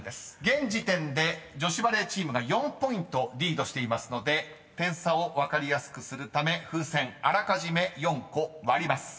［現時点で女子バレーチームが４ポイントリードしていますので点差を分かりやすくするため風船あらかじめ４個割ります］